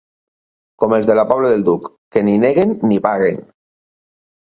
Com els de la Pobla del Duc, que ni neguen ni paguen.